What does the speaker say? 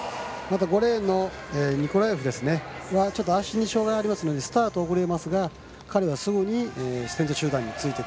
５レーンのニコラエフはちょっと足に障がいがありますのでスタート遅れますが彼はすぐに先頭集団についていく。